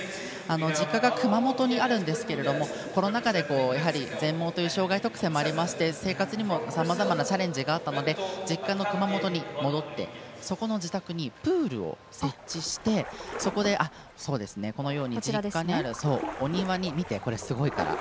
実家が熊本にあるんですけどもコロナ禍で全盲という障がい特性もありまして生活にも、さまざまなチャレンジがあったので実家の熊本に戻ってそこの自宅にプールを設置して実家のお庭に、見て、すごいから。